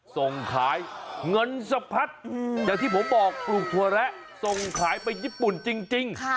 ส่งขายเงินสะพัดอย่างที่ผมบอกปลูกถั่วแระส่งขายไปญี่ปุ่นจริง